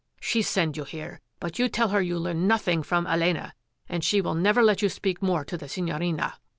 She send you here, but you tell her you learn nothing from Elena, and she will never let you speak more to the Signorina."